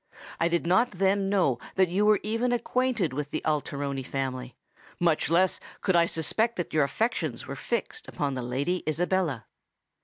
I did not then know that you were even acquainted with the Alteroni family—much less could I suspect that your affections were fixed upon the Lady Isabella."